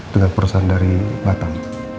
dengan perusahaan dari batam